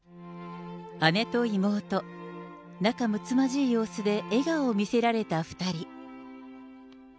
姉と妹、仲むつまじい様子で笑顔を見せられた２人。